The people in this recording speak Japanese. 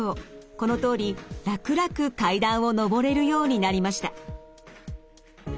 このとおり楽々階段を上れるようになりました。